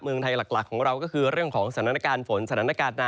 เมืองไทยหลักของเราก็คือเรื่องของสถานการณ์ฝน